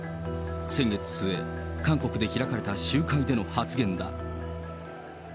先月末、韓国で開かれた集会での発言だ。